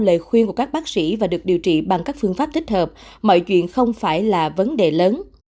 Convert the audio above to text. lời khuyên của các bác sĩ và được điều trị bằng các phương pháp thích hợp mọi chuyện không phải là vấn đề lớn